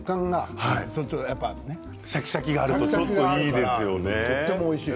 シャキシャキがあるととてもおいしい。